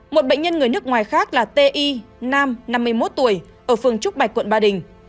một bệnh nhân người nước ngoài khác là ti nam năm mươi một tuổi ở phường trúc bạch quận ba đình